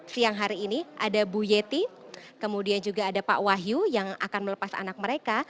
siang hari ini ada bu yeti kemudian juga ada pak wahyu yang akan melepas anak mereka